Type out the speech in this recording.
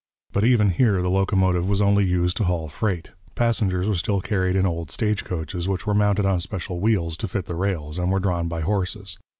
But even here the locomotive was only used to haul freight; passengers were still carried in old stage coaches, which were mounted on special wheels to fit the rails, and were drawn by horses.